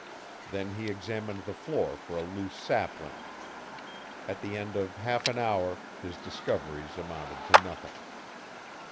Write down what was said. Then he examined the floor for a loose sapling. At the end of half an hour his discoveries amounted to nothing.